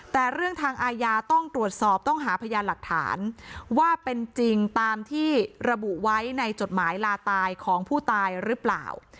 แต่เรื่องทางอาญาต้องตรวจสอบต้องหาพยานหลักฐานว่าเป็นจริงตามที่ระบุไว้ในจดหมายลาตายของผู้ตายหรือเปล่า